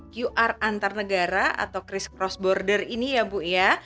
qr antar negara atau christ cross border ini ya bu ya